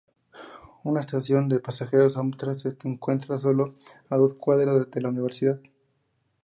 Una estación de pasajeros Amtrak se encuentra a sólo dos cuadras de la Universidad.